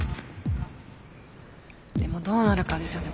でもどうなるかですよね